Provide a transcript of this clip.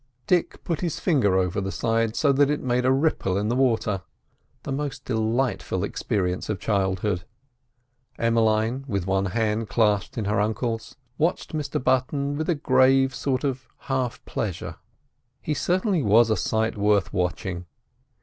Dick put his finger over the side, so that it made a ripple in the water (the most delightful experience of childhood). Emmeline, with one hand clasped in her uncle's, watched Mr Button with a grave sort of half pleasure. He certainly was a sight worth watching.